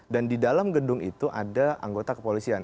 di dalam gedung itu ada anggota kepolisian